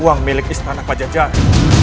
uang milik istana pajajari